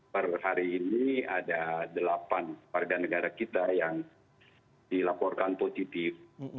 per hari ini ada delapan warga negara kita yang dilaporkan positif